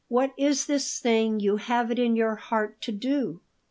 What is this thing you have it in your heart to do?"